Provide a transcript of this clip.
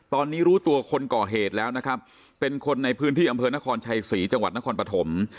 ตอนนี้รู้ตัวคนก่อเหตุแล้วนะครับเป็นคนในพื้นที่อำเภอนครชัยศรีจังหวัดนครปฐม